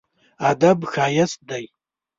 ادب ښايست دی.